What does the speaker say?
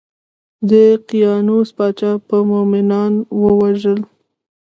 د دقیانوس پاچا به مومنان وژل.